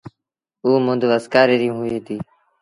اُ مند وسڪآري ري هوئي ديٚ۔